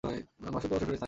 ভাশুর তো শ্বশুরের স্থানীয়।